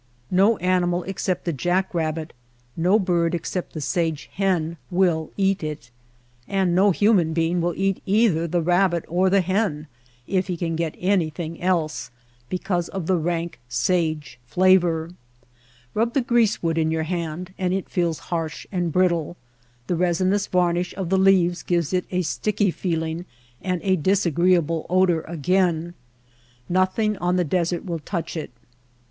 No animal except the jack rabbit, no bird except the sage hen will eat it ; and no human being will eat either the rabbit or the hen, if he can get any thing else, because of the rank sage flavor. Rub the greasewood in your hand and it feels harsh and brittle. The resinous varnish of the leaves gives it a sticky feeling and a disagreeable odor again. Nothing on the desert will touch it.